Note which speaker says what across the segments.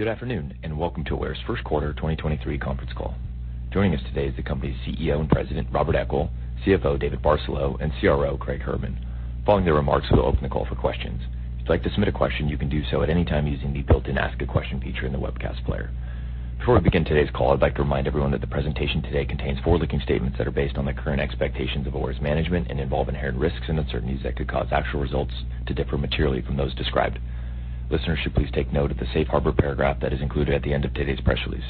Speaker 1: Good afternoon, welcome to Aware's first quarter 2023 conference call. Joining us today is the company's CEO and President, Robert Eckel, CFO, David Barcelo, and CRO, Craig Herman. Following the remarks, we'll open the call for questions. If you'd like to submit a question, you can do so at any time using the built-in Ask a Question feature in the webcast player. Before we begin today's call, I'd like to remind everyone that the presentation today contains forward-looking statements that are based on the current expectations of Aware's management and involve inherent risks and uncertainties that could cause actual results to differ materially from those described. Listeners should please take note of the safe harbor paragraph that is included at the end of today's press release.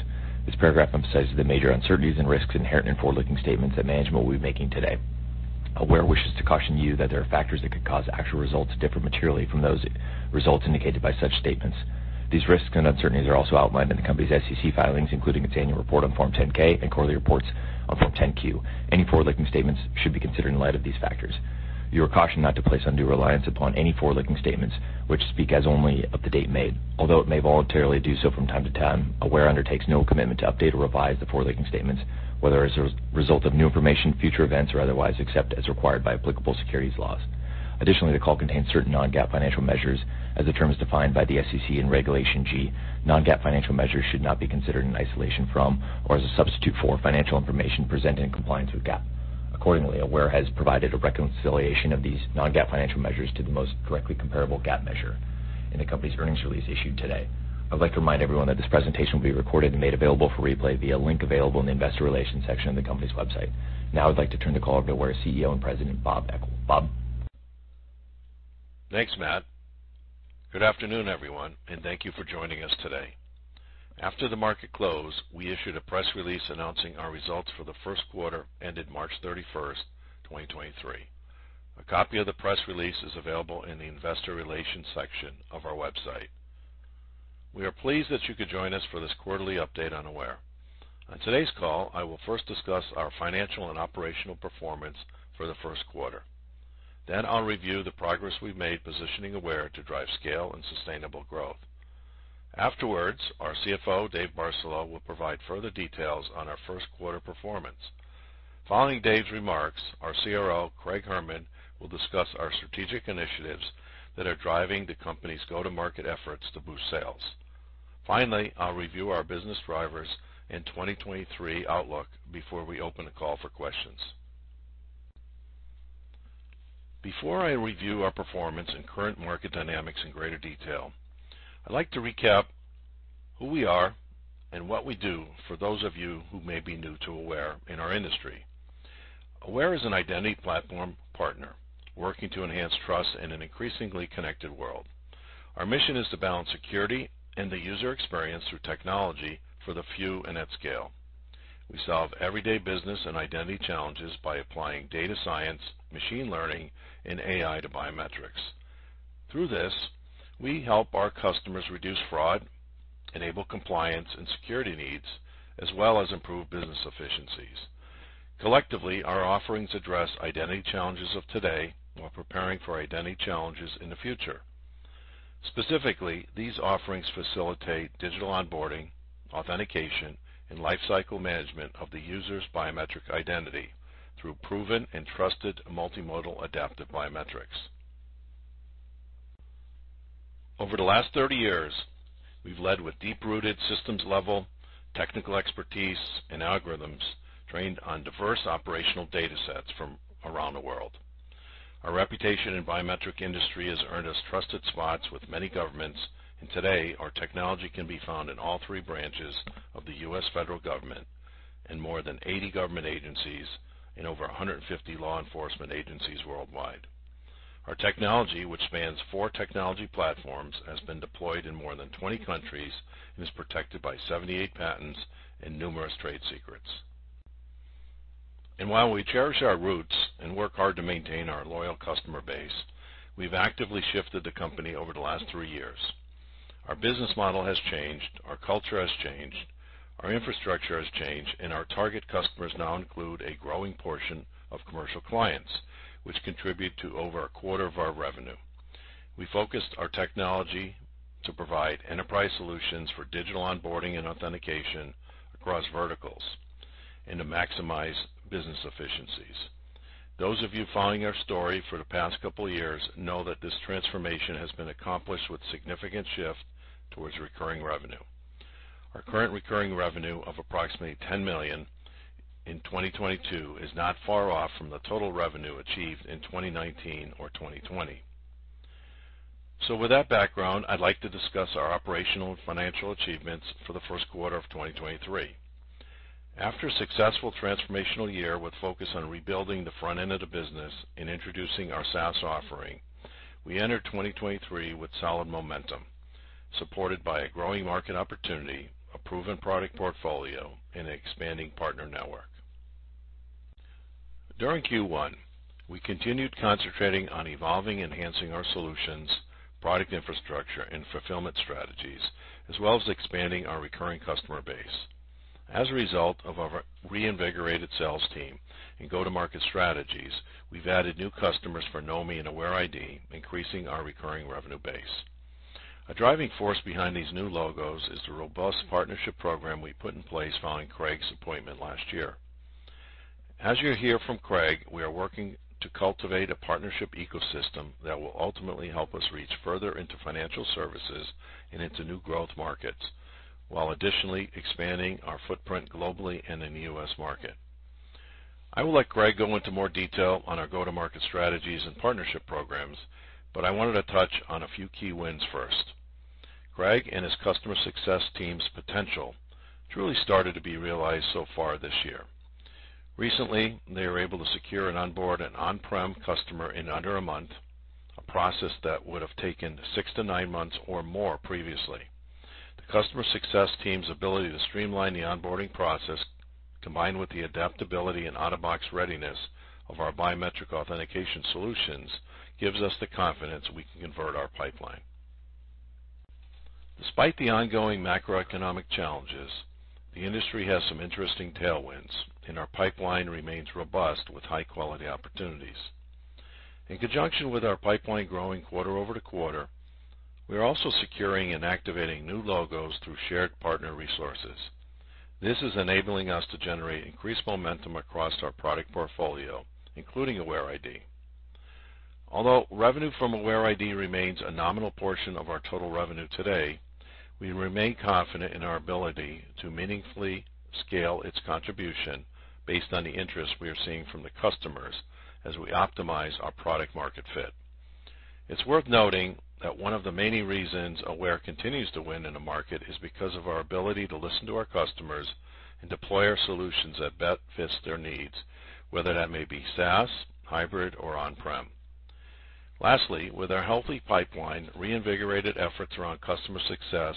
Speaker 1: This paragraph emphasizes the major uncertainties and risks inherent in forward-looking statements that management will be making today. Aware wishes to caution you that there are factors that could cause actual results to differ materially from those results indicated by such statements. These risks and uncertainties are also outlined in the company's SEC filings, including its annual report on Form 10-K and quarterly reports on Form 10-Q. Any forward-looking statements should be considered in light of these factors. You are cautioned not to place undue reliance upon any forward-looking statements which speak as only of the date made. Although it may voluntarily do so from time to time, Aware undertakes no commitment to update or revise the forward-looking statements, whether as a result of new information, future events, or otherwise, except as required by applicable securities laws. The call contains certain non-GAAP financial measures as the term is defined by the SEC in Regulation G. Non-GAAP financial measures should not be considered in isolation from or as a substitute for financial information presented in compliance with GAAP. Accordingly, Aware has provided a reconciliation of these non-GAAP financial measures to the most directly comparable GAAP measure in the company's earnings release issued today. I would like to remind everyone that this presentation will be recorded and made available for replay via a link available in the Investor Relations section of the company's website. Now I'd like to turn the call over to our CEO and President, Bob Eckel. Bob.
Speaker 2: Thanks, Matt. Good afternoon, everyone, thank you for joining us today. After the market closed, we issued a press release announcing our results for the first quarter ended March 31st, 2023. A copy of the press release is available in the Investor Relations section of our website. We are pleased that you could join us for this quarterly update on Aware. On today's call, I will first discuss our financial and operational performance for the first quarter. I'll review the progress we've made positioning Aware to drive scale and sustainable growth. Afterwards, our CFO, David Barcelo, will provide further details on our first quarter performance. Following David's remarks, our CRO, Craig Herman, will discuss our strategic initiatives that are driving the company's go-to-market efforts to boost sales. Finally, I'll review our business drivers and 2023 outlook before we open the call for questions. Before I review our performance and current market dynamics in greater detail, I'd like to recap who we are and what we do for those of you who may be new to Aware in our industry. Aware is an identity platform partner working to enhance trust in an increasingly connected world. Our mission is to balance security and the user experience through technology for the few and at scale. We solve everyday business and identity challenges by applying data science, machine learning, and AI to biometrics. Through this, we help our customers reduce fraud, enable compliance and security needs, as well as improve business efficiencies. Collectively, our offerings address identity challenges of today while preparing for identity challenges in the future. Specifically, these offerings facilitate digital onboarding, authentication, and lifecycle management of the user's biometric identity through proven and trusted multimodal adaptive biometrics. Over the last 30 years, we've led with deep-rooted systems-level technical expertise and algorithms trained on diverse operational data sets from around the world. Our reputation in biometric industry has earned us trusted spots with many governments, and today, our technology can be found in all three branches of the U.S. federal government and more than 80 government agencies and over 150 law enforcement agencies worldwide. Our technology, which spans four technology platforms, has been deployed in more than 20 countries and is protected by 78 patents and numerous trade secrets. While we cherish our roots and work hard to maintain our loyal customer base, we've actively shifted the company over the last three years. Our business model has changed, our culture has changed, our infrastructure has changed, and our target customers now include a growing portion of commercial clients, which contribute to over a quarter of our revenue. We focused our technology to provide enterprise solutions for digital onboarding and authentication across verticals and to maximize business efficiencies. Those of you following our story for the past couple of years know that this transformation has been accomplished with significant shift towards recurring revenue. Our current recurring revenue of approximately $10 million in 2022 is not far off from the total revenue achieved in 2019 or 2020. With that background, I'd like to discuss our operational and financial achievements for the first quarter of 2023. After a successful transformational year with focus on rebuilding the front end of the business and introducing our SaaS offering, we entered 2023 with solid momentum, supported by a growing market opportunity, a proven product portfolio, and an expanding partner network. During Q1, we continued concentrating on evolving and enhancing our solutions, product infrastructure, and fulfillment strategies, as well as expanding our recurring customer base. As a result of our reinvigorated sales team and go-to-market strategies, we've added new customers for Knomi and AwareID, increasing our recurring revenue base. A driving force behind these new logos is the robust partnership program we put in place following Craig's appointment last year. As you hear from Craig, we are working to cultivate a partnership ecosystem that will ultimately help us reach further into financial services and into new growth markets while additionally expanding our footprint globally and in the U.S. market. I will let Craig go into more detail on our go-to-market strategies and partnership programs. I wanted to touch on a few key wins first. Craig and his customer success team's potential truly started to be realized so far this year. Recently, they were able to secure and onboard an on-prem customer in under a month, a process that would have taken six to nine months or more previously. The customer success team's ability to streamline the onboarding process, combined with the adaptability and out-of-box readiness of our biometric authentication solutions, gives us the confidence we can convert our pipeline. Despite the ongoing macroeconomic challenges, the industry has some interesting tailwinds. Our pipeline remains robust with high-quality opportunities. In conjunction with our pipeline growing quarter-over-quarter, we are also securing and activating new logos through shared partner resources. This is enabling us to generate increased momentum across our product portfolio, including AwareID. Revenue from AwareID remains a nominal portion of our total revenue today, we remain confident in our ability to meaningfully scale its contribution based on the interest we are seeing from the customers as we optimize our product market fit. It's worth noting that one of the many reasons Aware continues to win in the market is because of our ability to listen to our customers and deploy our solutions that best fits their needs, whether that may be SaaS, hybrid, or on-prem. With our healthy pipeline, reinvigorated efforts around customer success,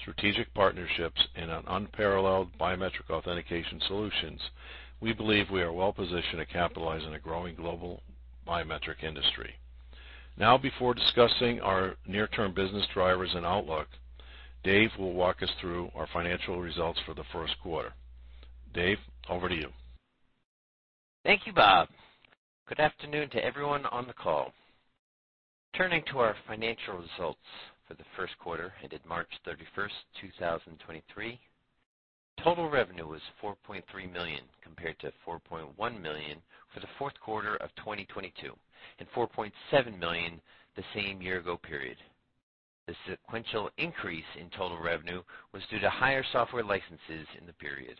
Speaker 2: strategic partnerships, and an unparalleled biometric authentication solutions, we believe we are well positioned to capitalize on a growing global biometric industry. Before discussing our near-term business drivers and outlook, Dave will walk us through our financial results for the first quarter. Dave, over to you.
Speaker 3: Thank you, Bob. Good afternoon to everyone on the call. Turning to our financial results for the first quarter ended March 31st, 2023. Total revenue was $4.3 million, compared to $4.1 million for the fourth quarter of 2022 and $4.7 million the same year-ago period. The sequential increase in total revenue was due to higher software licenses in the period.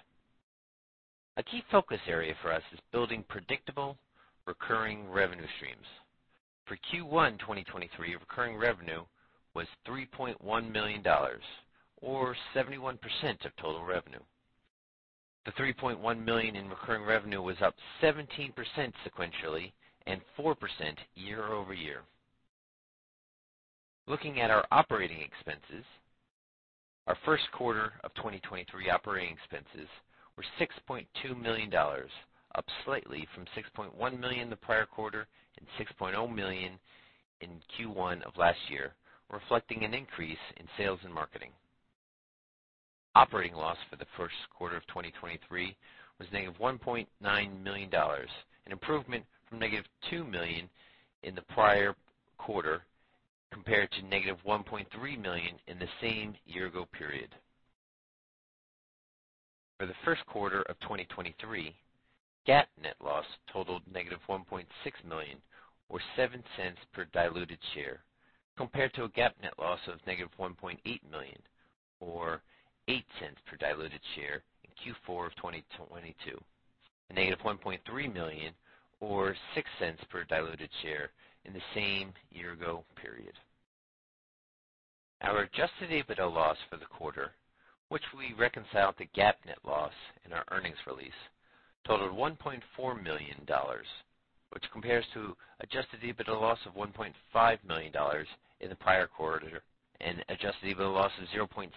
Speaker 3: A key focus area for us is building predictable, recurring revenue streams. For Q1 2023, recurring revenue was $3.1 million or 71% of total revenue. The $3.1 million in recurring revenue was up 17% sequentially and 4% year-over-year. Looking at our operating expenses. Our first quarter of 2023 operating expenses were $6.2 million, up slightly from $6.1 million the prior quarter and $6.0 million in Q1 of last year, reflecting an increase in sales and marketing. Operating loss for the first quarter of 2023 was negative $1.9 million, an improvement from negative $2 million in the prior quarter, compared to negative $1.3 million in the same year ago period. For the first quarter of 2023, GAAP net loss totaled negative $1.6 million or $0.07 per diluted share, compared to a GAAP net loss of negative $1.8 million or $0.08 per diluted share in Q4 of 2022, a negative $1.3 million or $0.06 per diluted share in the same year ago period. Our Adjusted EBITDA loss for the quarter, which we reconcile the GAAP net loss in our earnings release, totaled $1.4 million, which compares to Adjusted EBITDA loss of $1.5 million in the prior quarter and Adjusted EBITDA loss of $0.6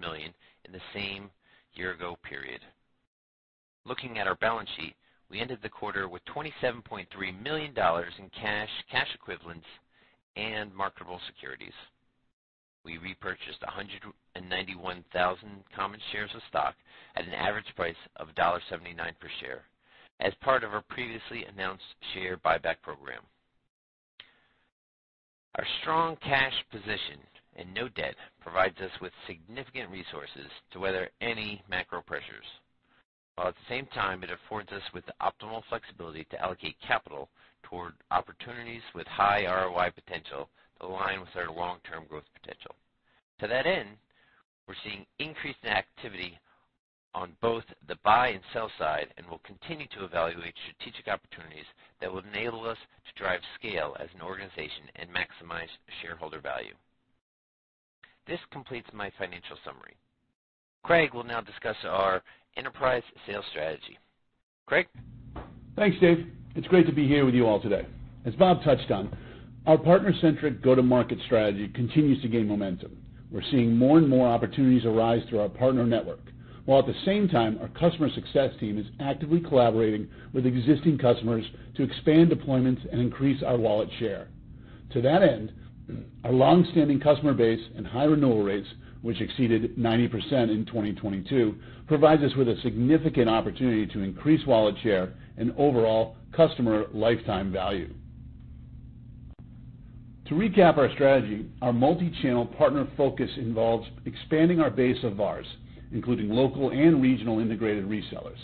Speaker 3: million in the same year-ago period. Looking at our balance sheet, we ended the quarter with $27.3 million in cash equivalents, and marketable securities. We repurchased 191,000 common shares of stock at an average price of $0.79 per share as part of our previously announced share buyback program. Our strong cash position and no debt provides us with significant resources to weather any macro pressures. At the same time, it affords us with the optimal flexibility to allocate capital toward opportunities with high ROI potential to align with our long-term growth potential. To that end, we're seeing increase in activity on both the buy and sell side and will continue to evaluate strategic opportunities that will enable us to drive scale as an organization and maximize shareholder value. This completes my financial summary. Craig will now discuss our enterprise sales strategy. Craig.
Speaker 4: Thanks, Dave. It's great to be here with you all today. As Bob touched on, our partner-centric go-to-market strategy continues to gain momentum. We're seeing more and more opportunities arise through our partner network, while at the same time, our customer success team is actively collaborating with existing customers to expand deployments and increase our wallet share. To that end, our long-standing customer base and high renewal rates, which exceeded 90% in 2022, provides us with a significant opportunity to increase wallet share and overall customer lifetime value. To recap our strategy, our multi-channel partner focus involves expanding our base of VARs, including local and regional integrated resellers,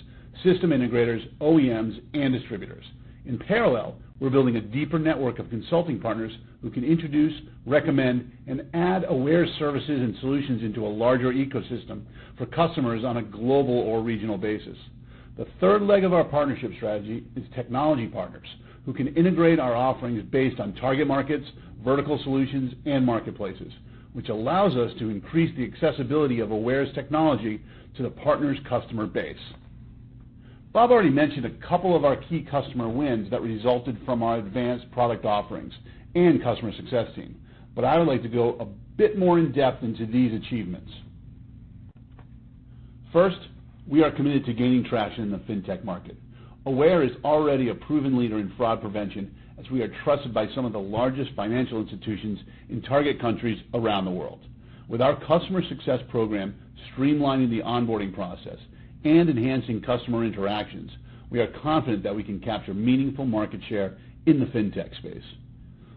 Speaker 4: system integrators, OEMs, and distributors. In parallel, we're building a deeper network of consulting partners who can introduce, recommend, and add Aware services and solutions into a larger ecosystem for customers on a global or regional basis. The third leg of our partnership strategy is technology partners who can integrate our offerings based on target markets, vertical solutions, and marketplaces, which allows us to increase the accessibility of Aware's technology to the partner's customer base. Bob already mentioned a couple of our key customer wins that resulted from our advanced product offerings and customer success team, but I would like to go a bit more in-depth into these achievements. First, we are committed to gaining traction in the fintech market. Aware is already a proven leader in fraud prevention as we are trusted by some of the largest financial institutions in target countries around the world. With our customer success program streamlining the onboarding process and enhancing customer interactions, we are confident that we can capture meaningful market share in the fintech space.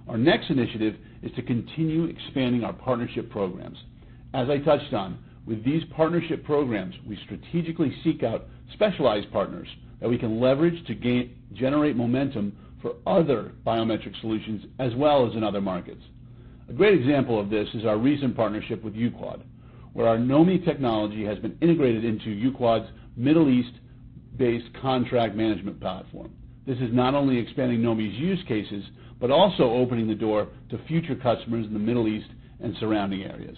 Speaker 4: Our next initiative is to continue expanding our partnership programs. As I touched on, with these partnership programs, we strategically seek out specialized partners that we can leverage to gain generate momentum for other biometric solutions as well as in other markets. A great example of this is our recent partnership with Uqoud, where our Knomi technology has been integrated into Uqoud's Middle East-based contract management platform. This is not only expanding Knomi's use cases, but also opening the door to future customers in the Middle East and surrounding areas.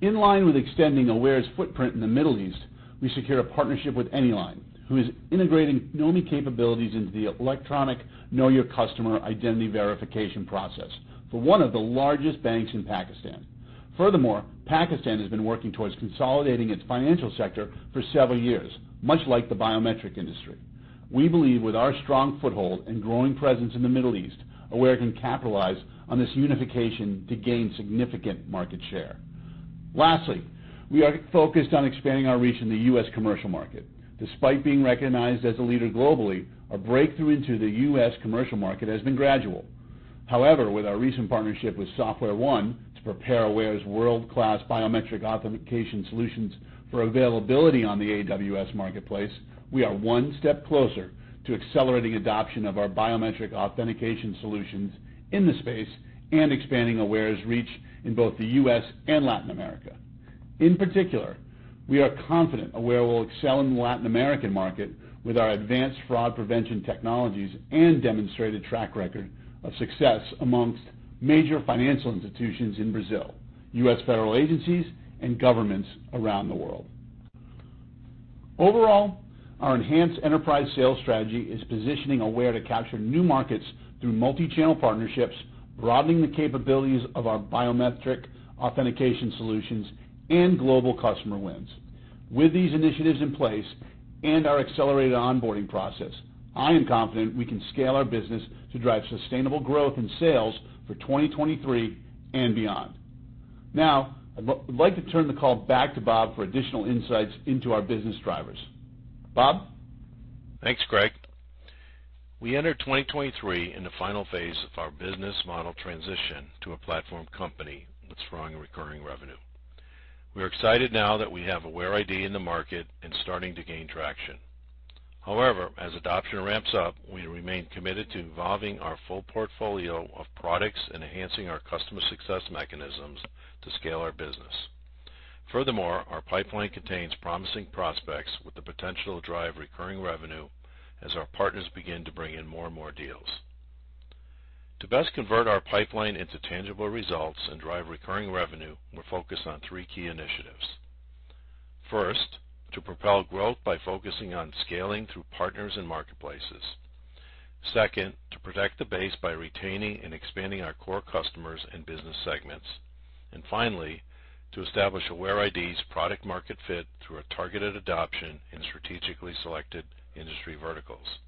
Speaker 4: In line with extending Aware's footprint in the Middle East, we secure a partnership with Anyline, who is integrating Knomi capabilities into the electronic Know Your Customer identity verification process for one of the largest banks in Pakistan. Furthermore, Pakistan has been working towards consolidating its financial sector for several years, much like the biometric industry. We believe with our strong foothold and growing presence in the Middle East, Aware can capitalize on this unification to gain significant market share. Lastly, we are focused on expanding our reach in the U.S. commercial market. Despite being recognized as a leader globally, our breakthrough into the U.S. commercial market has been gradual. With our recent partnership with SoftwareOne to prepare Aware's world-class biometric authentication solutions for availability on the AWS Marketplace, we are one step closer to accelerating adoption of our biometric authentication solutions in the space and expanding Aware's reach in both the U.S. and Latin America. In particular, we are confident Aware will excel in the Latin American market with our advanced fraud prevention technologies and demonstrated track record of success amongst major financial institutions in Brazil, U.S. federal agencies, and governments around the world. Overall, our enhanced enterprise sales strategy is positioning Aware to capture new markets through multi-channel partnerships, broadening the capabilities of our biometric authentication solutions and global customer wins. With these initiatives in place and our accelerated onboarding process, I am confident we can scale our business to drive sustainable growth in sales for 2023 and beyond. I'd like to turn the call back to Bob for additional insights into our business drivers. Bob?
Speaker 2: Thanks, Craig. We enter 2023 in the final phase of our business model transition to a platform company with strong recurring revenue. We are excited now that we have AwareID in the market and starting to gain traction. However, as adoption ramps up, we remain committed to evolving our full portfolio of products and enhancing our customer success mechanisms to scale our business. Furthermore, our pipeline contains promising prospects with the potential to drive recurring revenue as our partners begin to bring in more and more deals. To best convert our pipeline into tangible results and drive recurring revenue, we're focused on three key initiatives. First, to propel growth by focusing on scaling through partners and marketplaces. Second, to protect the base by retaining and expanding our core customers and business segments. Finally, to establish AwareID's product market fit through a targeted adoption in strategically selected industry verticals.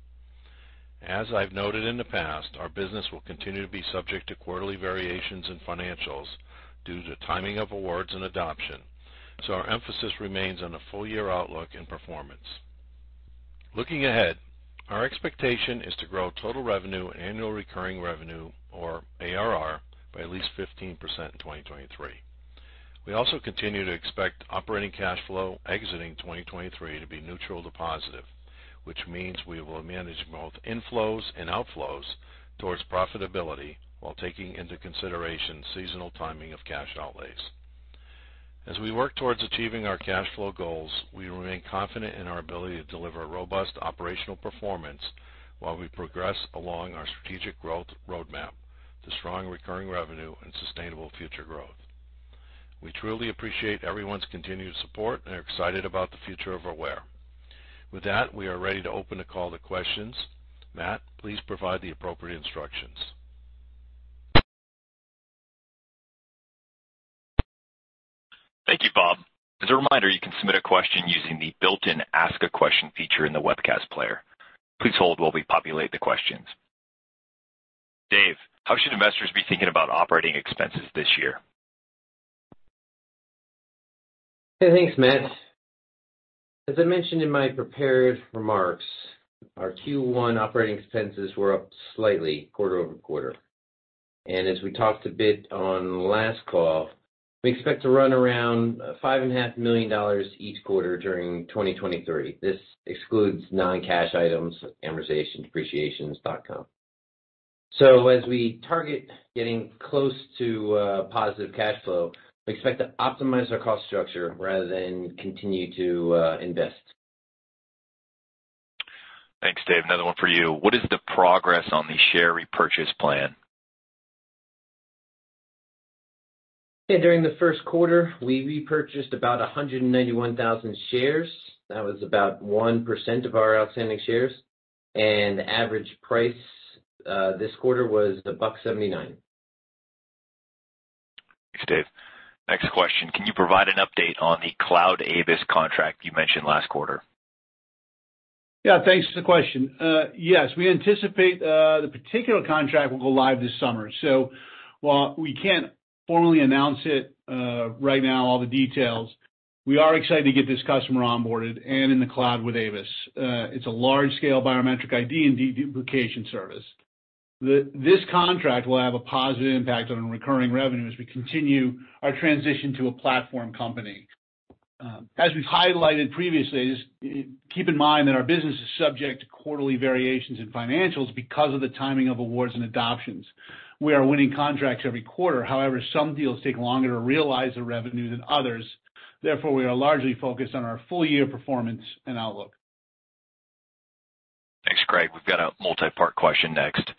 Speaker 2: As I've noted in the past, our business will continue to be subject to quarterly variations in financials due to timing of awards and adoption, so our emphasis remains on a full-year outlook and performance. Looking ahead, our expectation is to grow total revenue and annual recurring revenue or ARR by at least 15% in 2023. We also continue to expect operating cash flow exiting 2023 to be neutral to positive, which means we will manage both inflows and outflows towards profitability while taking into consideration seasonal timing of cash outlays. As we work towards achieving our cash flow goals, we remain confident in our ability to deliver robust operational performance while we progress along our strategic growth roadmap to strong recurring revenue and sustainable future growth. We truly appreciate everyone's continued support and are excited about the future of Aware. With that, we are ready to open the call to questions. Matt, please provide the appropriate instructions.
Speaker 1: Thank you, Bob. As a reminder, you can submit a question using the built-in ask a question feature in the webcast player. Please hold while we populate the questions. Dave, how should investors be thinking about operating expenses this year?
Speaker 3: Yeah. Thanks, Matt. As I mentioned in my prepared remarks, our Q1 operating expenses were up slightly quarter-over-quarter. As we talked a bit on last call, we expect to run around five and a half million dollars each quarter during 2023. This excludes non-cash items, amortization, depreciation, stock-based compensation. As we target getting close to positive cash flow, we expect to optimize our cost structure rather than continue to invest.
Speaker 1: Thanks, Dave. Another one for you. What is the progress on the share repurchase plan?
Speaker 3: Yeah. During the first quarter, we repurchased about 191,000 shares. That was about 1% of our outstanding shares. The average price, this quarter was $1.79.
Speaker 1: Thanks, Dave. Next question. Can you provide an update on the cloud ABIS contract you mentioned last quarter?
Speaker 4: Yeah. Thanks for the question. Yes, we anticipate the particular contract will go live this summer. While we can't formally announce it right now, all the details, we are excited to get this customer onboarded and in the cloud with ABIS. It's a large-scale biometric ID and deduplication service. This contract will have a positive impact on recurring revenue as we continue our transition to a platform company. As we've highlighted previously, just keep in mind that our business is subject to quarterly variations in financials because of the timing of awards and adoptions. We are winning contracts every quarter. However, some deals take longer to realize the revenue than others. Therefore, we are largely focused on our full-year performance and outlook.
Speaker 1: Thanks, Craig. We've got a multi-part question next.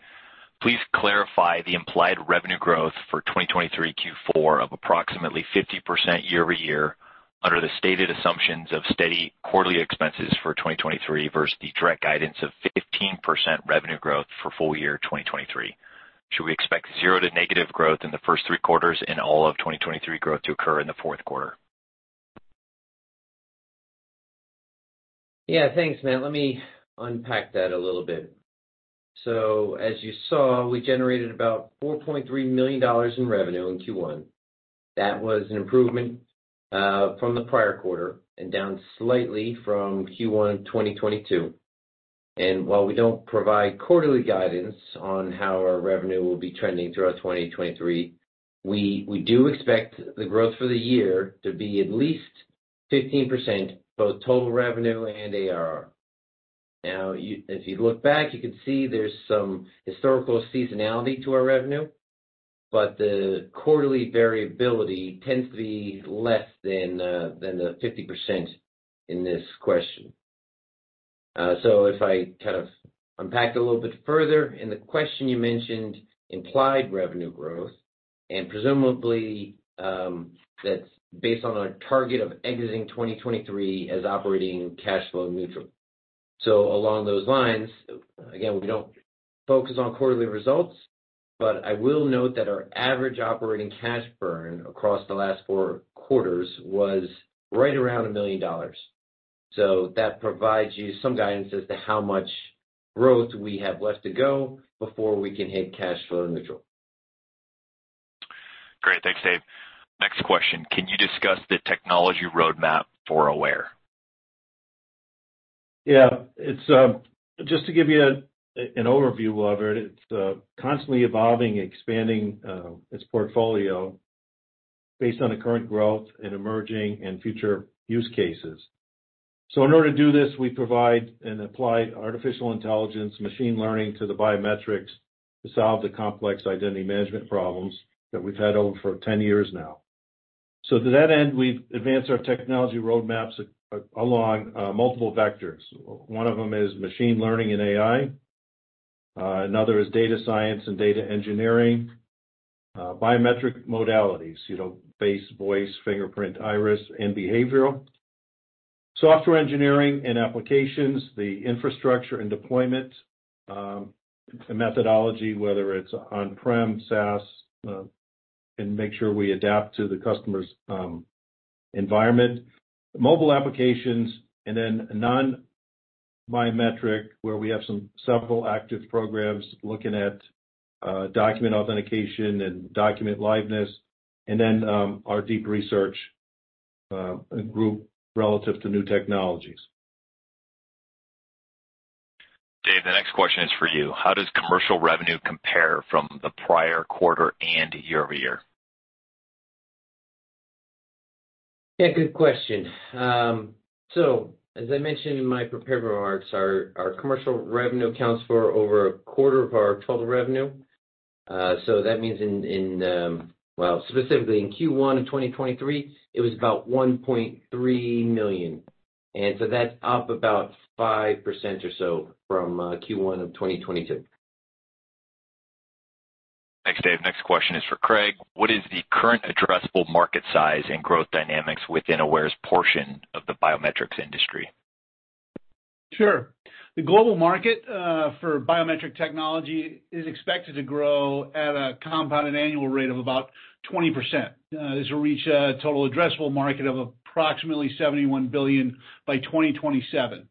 Speaker 1: Please clarify the implied revenue growth for 2023 Q4 of approximately 50% year-over-year under the stated assumptions of steady quarterly expenses for 2023 versus the direct guidance of 15% revenue growth for full year 2023. Should we expect zero to negative growth in the first three quarters and all of 2023 growth to occur in the fourth quarter?
Speaker 3: Yeah. Thanks, Matt. Let me unpack that a little bit. As you saw, we generated about $4.3 million in revenue in Q1. That was an improvement from the prior quarter and down slightly from Q1 2022. While we don't provide quarterly guidance on how our revenue will be trending throughout 2023, we do expect the growth for the year to be at least 15%, both total revenue and ARR. Now if you look back, you can see there's some historical seasonality to our revenue, but the quarterly variability tends to be less than the 50% in this question. If I kind of unpack it a little bit further, in the question you mentioned implied revenue growth, and presumably, that's based on a target of exiting 2023 as operating cash flow neutral. Along those lines, again, we don't focus on quarterly results, but I will note that our average operating cash burn across the last four quarters was right around $1 million. That provides you some guidance as to how much growth we have left to go before we can hit cash flow neutral.
Speaker 1: Great. Thanks, Dave. Next question. Can you discuss the technology roadmap for Aware?
Speaker 2: It's just to give you an overview of it's constantly evolving, expanding its portfolio based on the current growth and emerging and future use cases. In order to do this, we provide and apply artificial intelligence, machine learning to the biometrics to solve the complex identity management problems that we've had over for 10 years now. To that end, we've advanced our technology roadmaps along multiple vectors. One of them is machine learning and AI. Another is data science and data engineering. Biometric modalities, you know, face, voice, fingerprint, iris, and behavioral. Software engineering and applications, the infrastructure and deployment, the methodology, whether it's on-prem, SaaS, and make sure we adapt to the customer's environment. Mobile applications and then non-biometric, where we have some several active programs looking at, document authentication and document liveness, and then, our deep research group relative to new technologies.
Speaker 1: Dave, the next question is for you. How does commercial revenue compare from the prior quarter and year-over-year?
Speaker 3: Yeah, good question. As I mentioned in my prepared remarks, our commercial revenue accounts for over a quarter of our total revenue. Well, specifically in Q1 of 2023, it was about $1.3 million, that's up about 5% or so from Q1 of 2022.
Speaker 1: Thanks, Dave. Next question is for Craig. What is the current addressable market size and growth dynamics within Aware's portion of the biometrics industry?
Speaker 2: Sure. The global market for biometric technology is expected to grow at a compounded annual rate of about 20%. This will reach a total addressable market of approximately $71 billion by 2027.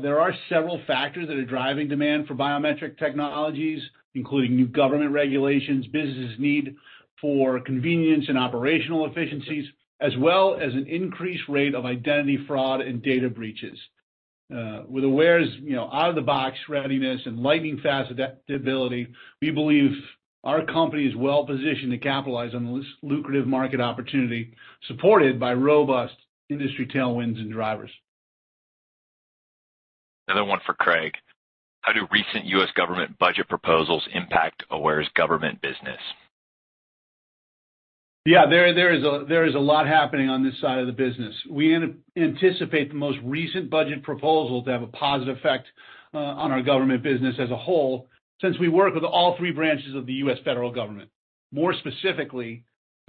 Speaker 4: There are several factors that are driving demand for biometric technologies, including new government regulations, businesses' need for convenience and operational efficiencies, as well as an increased rate of identity fraud and data breaches. With Aware's, you know, out-of-the-box readiness and lightning-fast adaptability, we believe our company is well-positioned to capitalize on this lucrative market opportunity, supported by robust industry tailwinds and drivers.
Speaker 1: Another one for Craig. How do recent U.S. government budget proposals impact Aware's government business?
Speaker 4: Yeah. There is a lot happening on this side of the business. We anticipate the most recent budget proposal to have a positive effect on our government business as a whole, since we work with all three branches of the U.S. federal government. More specifically,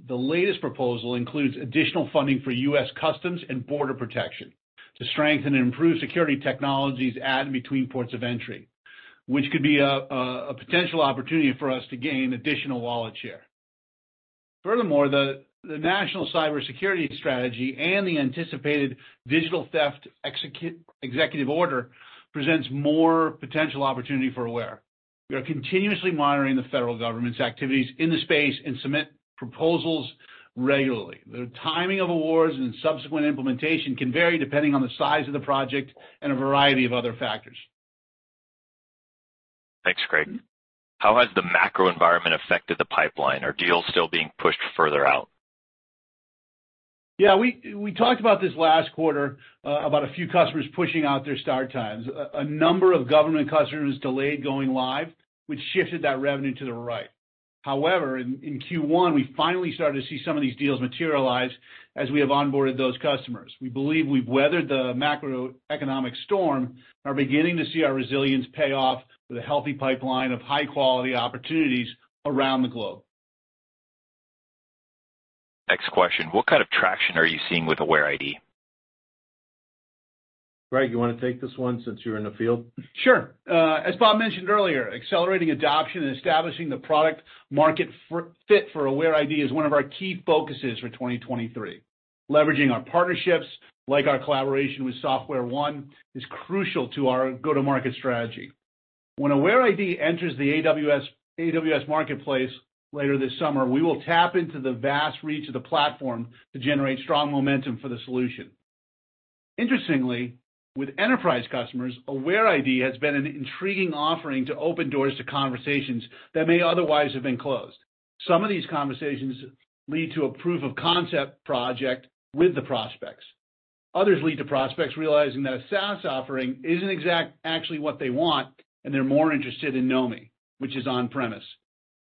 Speaker 4: the latest proposal includes additional funding for U.S. Customs and Border Protection to strengthen and improve security technologies at and between ports of entry, which could be a potential opportunity for us to gain additional wallet share. Furthermore, the National Cybersecurity Strategy and the anticipated digital theft Executive Order presents more potential opportunity for Aware. We are continuously monitoring the federal government's activities in the space and submit proposals regularly. The timing of awards and subsequent implementation can vary depending on the size of the project and a variety of other factors.
Speaker 1: Thanks, Craig. How has the macro environment affected the pipeline? Are deals still being pushed further out?
Speaker 4: Yeah. We talked about this last quarter, about a few customers pushing out their start times. A number of government customers delayed going live, which shifted that revenue to the right. However, in Q1, we finally started to see some of these deals materialize as we have onboarded those customers. We believe we've weathered the macroeconomic storm and are beginning to see our resilience pay off with a healthy pipeline of high-quality opportunities around the globe.
Speaker 1: Next question. What kind of traction are you seeing with AwareID?
Speaker 4: Craig, you want to take this one since you're in the field? Sure. As Bob mentioned earlier, accelerating adoption and establishing the product market fit for AwareID is one of our key focuses for 2023. Leveraging our partnerships, like our collaboration with SoftwareOne, is crucial to our go-to-market strategy. When AwareID enters the AWS Marketplace later this summer, we will tap into the vast reach of the platform to generate strong momentum for the solution. Interestingly, with enterprise customers, AwareID has been an intriguing offering to open doors to conversations that may otherwise have been closed. Some of these conversations lead to a proof of concept project with the prospects. Others lead to prospects realizing that a SaaS offering isn't actually what they want, and they're more interested in Knomi, which is on-premise.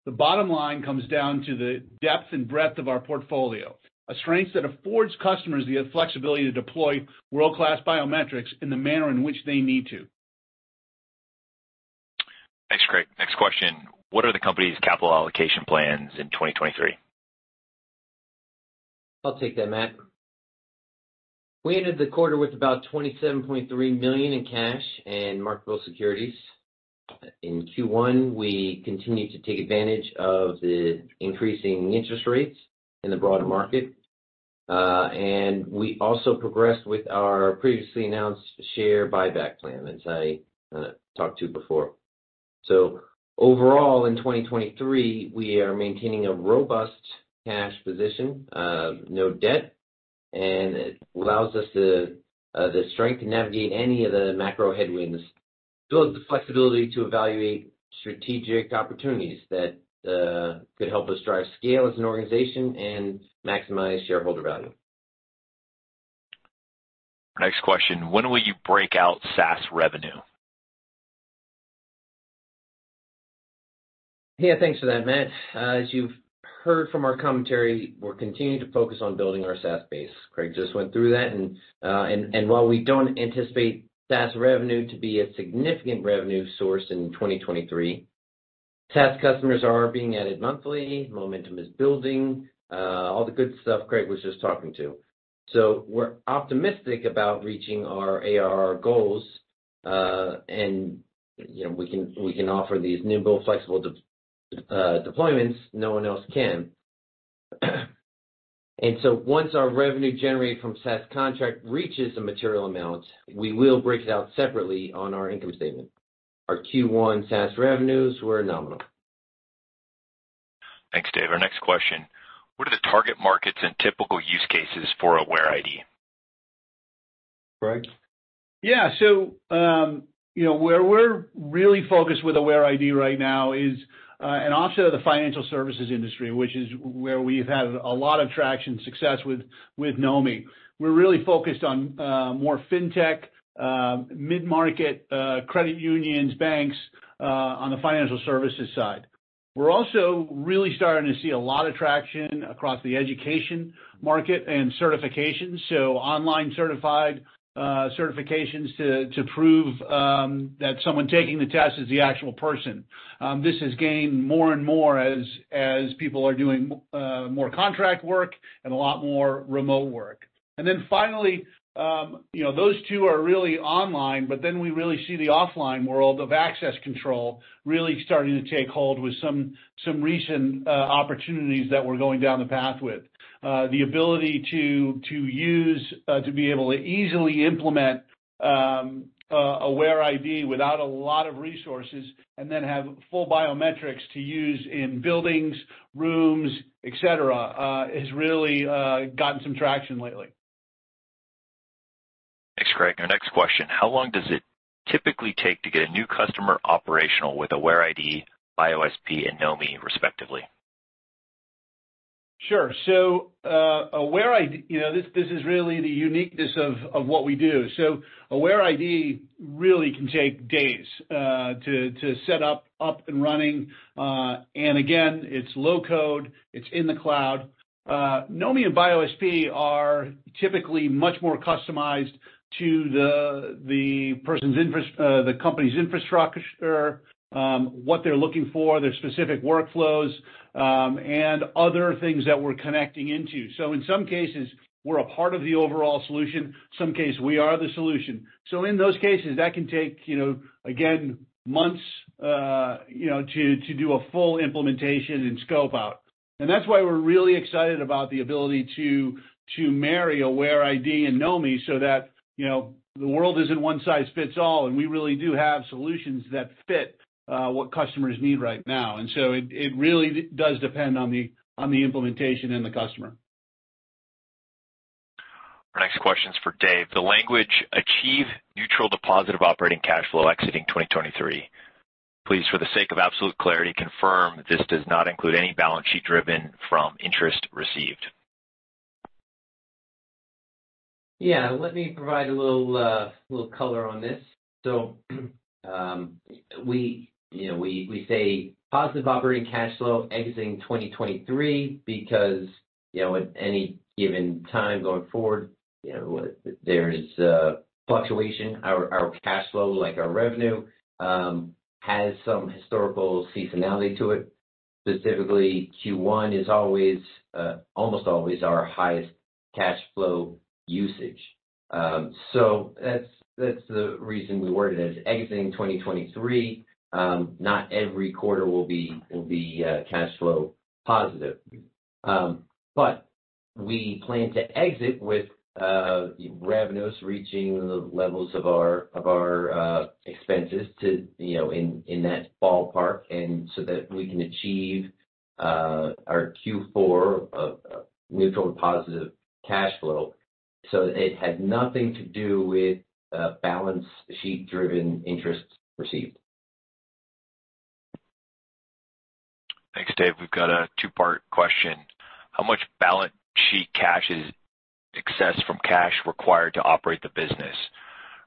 Speaker 4: The bottom line comes down to the depth and breadth of our portfolio, a strength that affords customers the flexibility to deploy world-class biometrics in the manner in which they need to.
Speaker 1: Thanks, Craig. Next question. What are the company's capital allocation plans in 2023?
Speaker 3: I'll take that, Matt. We ended the quarter with about $27.3 million in cash and marketable securities. In Q1, we continued to take advantage of the increasing interest rates in the broader market, and we also progressed with our previously announced share buyback plan, as I talked to before. Overall, in 2023, we are maintaining a robust cash position of no debt, and it allows us the strength to navigate any of the macro headwinds, build the flexibility to evaluate strategic opportunities that could help us drive scale as an organization and maximize shareholder value.
Speaker 1: Next question. When will you break out SaaS revenue?
Speaker 3: Yeah. Thanks for that, Matt. As you've heard from our commentary, we're continuing to focus on building our SaaS base. Craig just went through that and while we don't anticipate SaaS revenue to be a significant revenue source in 2023, SaaS customers are being added monthly, momentum is building, all the good stuff Craig was just talking to. We're optimistic about reaching our ARR goals, and, you know, we can offer these new, more flexible deployments no one else can. Once our revenue generated from SaaS contract reaches a material amount, we will break it out separately on our income statement. Our Q1 SaaS revenues were nominal.
Speaker 1: Thanks, Dave. Our next question. What are the target markets and typical use cases for AwareID?
Speaker 2: Craig Herman.
Speaker 4: Yeah. You know, where we're really focused with AwareID right now is an offset of the financial services industry, which is where we've had a lot of traction success with Knomi. We're really focused on more fintech, mid-market, credit unions, banks on the financial services side. We're also really starting to see a lot of traction across the education market and certifications. Online certified certifications to prove that someone taking the test is the actual person. This has gained more and more as people are doing more contract work and a lot more remote work. Finally, you know, those two are really online, but then we really see the offline world of access control really starting to take hold with some recent opportunities that we're going down the path with. The ability to be able to easily implement AwareID without a lot of resources and then have full biometrics to use in buildings, rooms, et cetera, has really gotten some traction lately.
Speaker 1: Thanks, Craig. Our next question: how long does it typically take to get a new customer operational with AwareID, BioSP, and Knomi respectively?
Speaker 4: Sure. AwareID, you know, this is really the uniqueness of what we do. AwareID really can take days to set up and running. Again, it's low code, it's in the cloud. Knomi and BioSP are typically much more customized to the company's infrastructure, what they're looking for, their specific workflows, and other things that we're connecting into. In some cases we're a part of the overall solution, some case we are the solution. In those cases, that can take, you know, again, months, you know, to do a full implementation and scope out. That's why we're really excited about the ability to marry AwareID and Knomi so that, you know, the world isn't one size fits all, and we really do have solutions that fit what customers need right now. It really does depend on the implementation and the customer.
Speaker 1: Our next question is for Dave. The language achieve neutral to positive operating cash flow exiting 2023. Please, for the sake of absolute clarity, confirm this does not include any balance sheet driven from interest received.
Speaker 3: Let me provide a little color on this. We, you know, we say positive operating cash flow exiting 2023 because, you know, at any given time going forward, you know, there is a fluctuation. Our cash flow, like our revenue, has some historical seasonality to it. Specifically, Q1 is always, almost always our highest cash flow usage. That's the reason we word it as exiting 2023. Not every quarter will be cash flow positive. We plan to exit with revenues reaching the levels of our expenses to, you know, in that ballpark that we can achieve our Q4 of neutral and positive cash flow. It has nothing to do with balance sheet-driven interests received.
Speaker 1: Thanks, Dave. We've got a two-part question. How much balance sheet cash is excess from cash required to operate the business?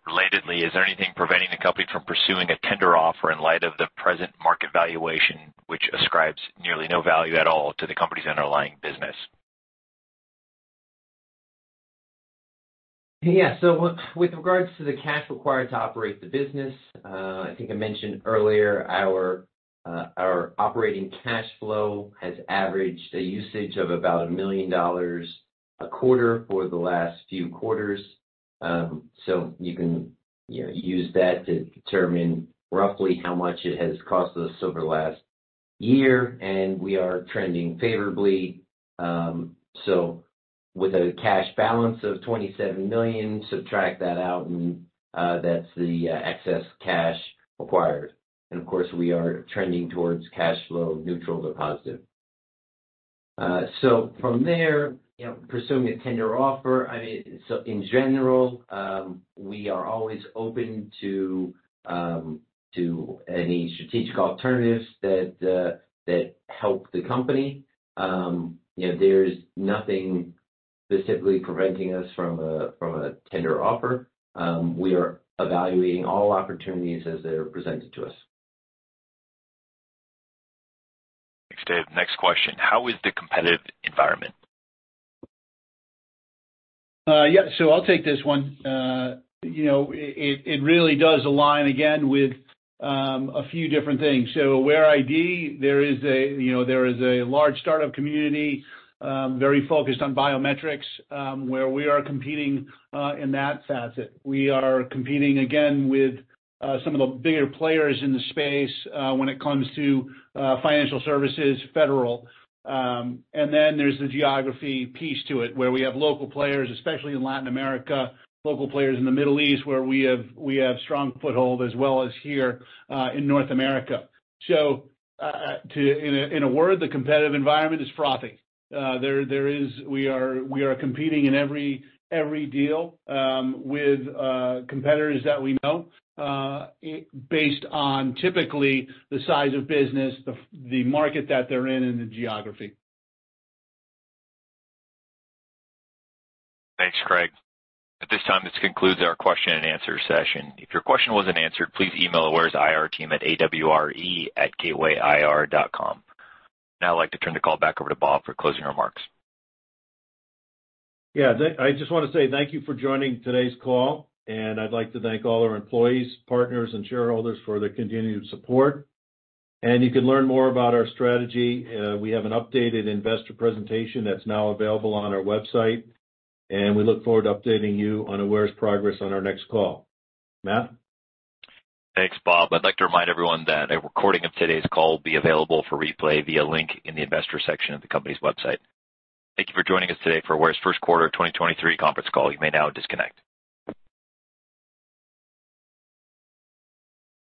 Speaker 1: Relatedly, is there anything preventing the company from pursuing a tender offer in light of the present market valuation, which ascribes nearly no value at all to the company's underlying business?
Speaker 3: Yeah. With regards to the cash required to operate the business, I think I mentioned earlier our operating cash flow has averaged a usage of about $1 million a quarter for the last few quarters. You can, you know, use that to determine roughly how much it has cost us over the last year, and we are trending favorably. With a cash balance of $27 million, subtract that out and that's the excess cash required. Of course, we are trending towards cash flow neutral to positive. From there, you know, pursuing a tender offer, I mean, in general, we are always open to any strategic alternatives that help the company. You know, there's nothing specifically preventing us from a tender offer. We are evaluating all opportunities as they are presented to us.
Speaker 1: Thanks, Dave. Next question: how is the competitive environment?
Speaker 4: Yeah, so I'll take this one. You know, it really does align again with a few different things. AwareID, there is a, you know, there is a large startup community, very focused on biometrics, where we are competing in that facet. We are competing again with some of the bigger players in the space, when it comes to financial services, federal. And then there's the geography piece to it, where we have local players, especially in Latin America, local players in the Middle East, where we have strong foothold as well as here in North America. In a word, the competitive environment is frothy. We are competing in every deal, with competitors that we know, based on typically the size of business, the market that they're in, and the geography.
Speaker 1: Thanks, Craig. At this time, this concludes our question and answer session. If your question wasn't answered, please email Aware's IR team at aware@gatewayir.com. I'd like to turn the call back over to Bob for closing remarks.
Speaker 4: I just wanna say thank you for joining today's call, and I'd like to thank all our employees, partners, and shareholders for their continued support. You can learn more about our strategy, we have an updated investor presentation that's now available on our website, and we look forward to updating you on Aware's progress on our next call. Matt?
Speaker 1: Thanks, Bob. I'd like to remind everyone that a recording of today's call will be available for replay via link in the investor section of the company's website. Thank you for joining us today for Aware's first quarter of 2023 conference call. You may now disconnect.